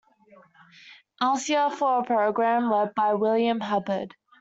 Elicer for a program led by William Hubbard.